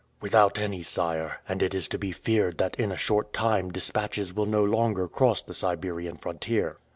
"Without any, sire; and it is to be feared that in a short time dispatches will no longer cross the Siberian frontier."